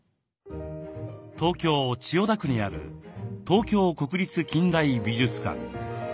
東京・千代田区にある東京国立近代美術館。